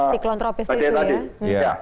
siklon tropis itu ya